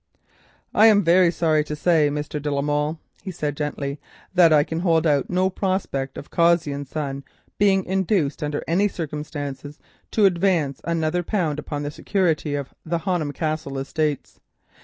"I am very sorry to say, Mr. de la Molle," he said gently, "that I can hold out no prospect of Cossey and Son being induced, under any circumstances, to advance another pound upon the security of the Honham Castle estates.